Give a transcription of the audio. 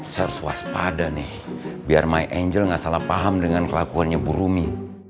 saya harus waspada nih biar my angel gak salah paham dengan kelakuannya bu rumi